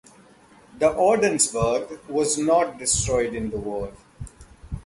The "Ordensburg" was not destroyed in the war.